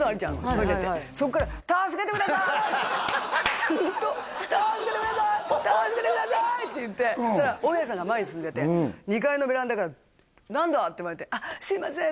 トイレってそこからずーっとっていってそしたら大家さんが前に住んでて２階のベランダから何だ？って言われてすいません